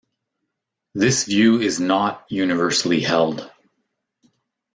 This view is not universally held.